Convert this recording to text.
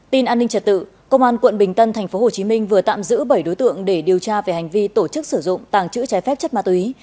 tin an ninh trật tự công an quận bình tân tp hcm vừa tạm giữ bảy đối tượng để điều tra về hành vi tổ chức sử dụng tàng chữ trái phép chất ma túy